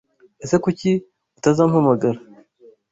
Ese kuki utazampamagara.